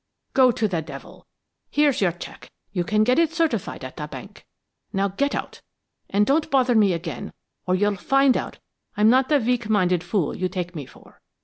"'Go to the devil! Here's your check you can get it certified at the bank. Now get out and don't bother me again or you'll find out I'm not the weak minded fool you take me for.